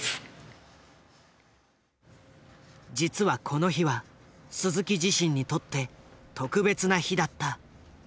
実はこの日は鈴木自身にとって特別な日だった。